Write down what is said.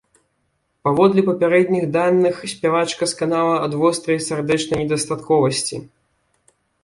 Паводле папярэдніх даных, спявачка сканала ад вострай сардэчнай недастатковасці.